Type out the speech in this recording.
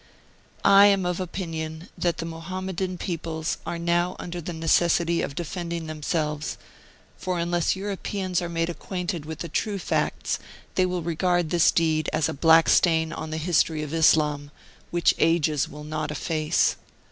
I am of opinion that the Mohammedan peoples are now under the necessity of defending them selves, for unless Europeans are made acquainted with the true facts they will regard this deed as a black stain on the history of Islam, which ages will not efface.